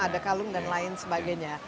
ada kalung dan lain sebagainya